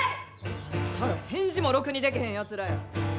あんたら返事もろくにでけへんやつらや。